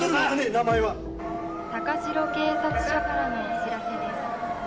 名前は高白警察署からのお知らせです